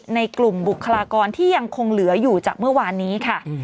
ในกลุ่มบุคลากรที่ยังคงเหลืออยู่จากเมื่อวานนี้ค่ะ